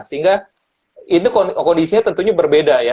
sehingga kondisinya tentunya berbeda ya